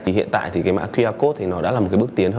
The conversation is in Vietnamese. thì hiện tại thì cái mã qr code thì nó đã là một cái bước tiến